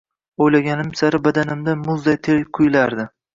Oʻylaganim sari badanimdan muzday ter quyilardi.